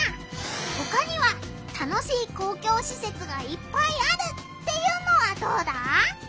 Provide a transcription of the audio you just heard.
ほかには楽しい公共しせつがいっぱいあるっていうのはどうだ？